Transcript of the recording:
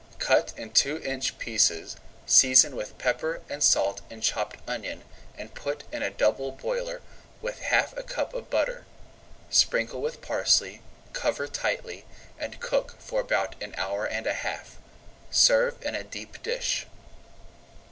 Cut in two inch pieces, season with pepper and salt and chopped [Page 123] onion, and put in a double boiler with half a cupful of butter. Sprinkle with parsley, cover tightly, and cook for about an hour and a half. Serve in a deep dish.